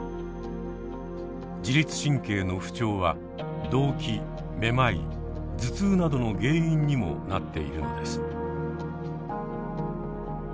自律神経の不調は動悸めまい頭痛などの原因にもなっているのです。